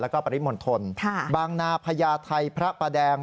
แล้วก็ปริมณฑลบางนาพญาไทยพระประแดง